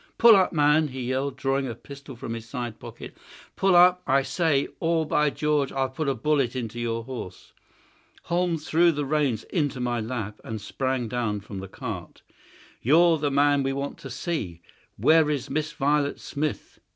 Pull up, man!" he yelled, drawing a pistol from his side pocket. "Pull up, I say, or, by George, I'll put a bullet into your horse." Holmes threw the reins into my lap and sprang down from the cart. "You're the man we want to see. Where is Miss Violet Smith?"